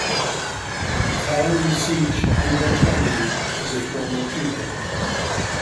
Taoiseach Enda Kenny is a former pupil.